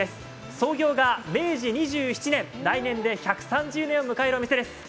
創業が明治２７年、来年で１３０年を迎えるお店です。